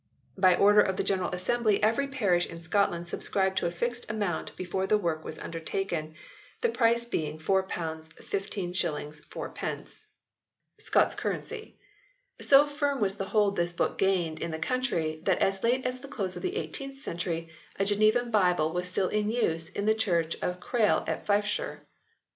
By order of the General Assembly every parish in Scotland subscribed a fixed amount before the work was undertaken, the price being 4. 13s. 4d Scots 6 2 84 HISTORY OF THE ENGLISH BIBLE [OH. currency. So firm was the hold this book gained in the country that as late as the close of the 18th century a Genevan Bible was still in use in the church of Crail in Fifeshire.